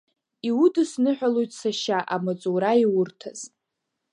Иудысныҳәалоит, сашьа, амаҵура иурҭаз.